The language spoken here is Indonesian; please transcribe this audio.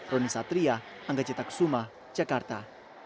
roni satria angga cetak sumah jakarta